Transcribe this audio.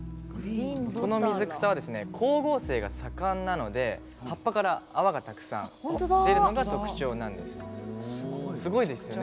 この水草は光合成が盛んなので葉っぱから泡がたくさん出るのが特徴なんです、すごいですよね。